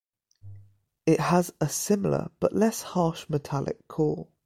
It has a similar but less harsh metallic call.